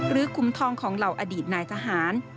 คุ้มทองของเหล่าอดีตนายทหาร